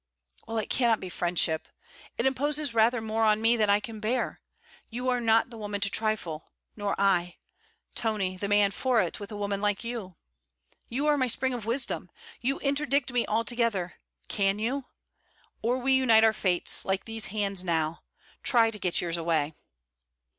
well, it cannot be friendship. It imposes rather more on me than I can bear. You are not the woman to trifle; nor I; Tony, the man for it with a woman like you. You are my spring of wisdom. You interdict me altogether can you? or we unite our fates, like these hands now. Try to get yours away!'